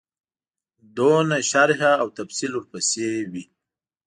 دومره شرح او تفصیل ورپسې وي.